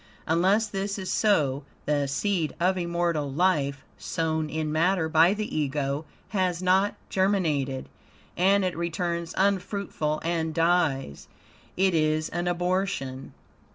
Unless this is so, the seed of immortal life, sown in matter by the Ego, has not germinated, and it returns unfruitful and dies it is an abortion.